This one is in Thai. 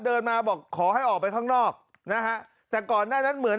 เดินมาบอกขอให้ออกไปข้างนอกนะฮะแต่ก่อนหน้านั้นเหมือน